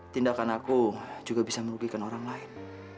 tindakan aku juga bisa merugikan orang lain